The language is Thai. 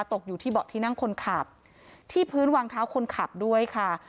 ตกอยู่ที่เบาะที่นั่งคนขับที่พื้นวางเท้าคนขับด้วยค่ะ